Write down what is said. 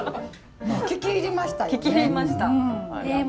聞き入りましたよね。